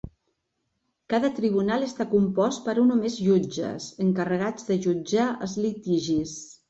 Cada tribunal està compost per un o més jutges encarregats de jutjar els litigis.